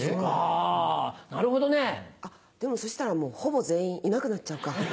あぁなるほどね。でもそしたらもうほぼ全員いなくなっちゃうか。